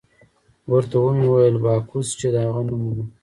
ورته ومې ویل: باکوس، چې د هغه نوم وو.